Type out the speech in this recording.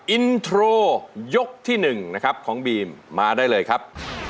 อินโทรยกที่๑นะครับของบีมมาได้เลยครับ